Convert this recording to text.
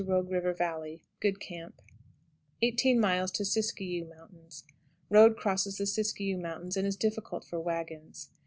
Rogue River Valley. Good camp. 18. Siskiyou Mountains. Road crosses the Siskiyou Mountains, and is difficult for wagons.